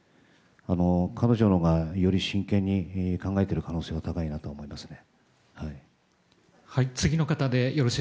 彼女のほうがより真剣に考えている可能性は高いなと思いますね。